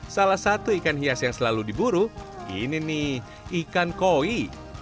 salah satu ikan hias yang selalu diburu ini nih ikan koi